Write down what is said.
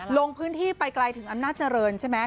ลงพื้นที่ไปไกลถึงอำนาจเจริญใช่ไหม